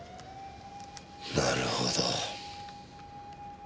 なるほど。